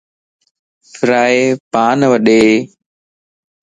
فرائي پانو ڏي